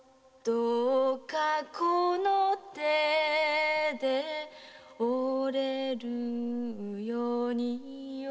「どうかこの手で織れる世によ」